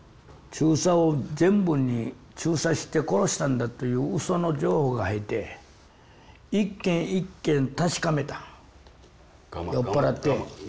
注射を全部に注射して殺したんだといううその情報が入って一軒一軒確かめた酔っ払って。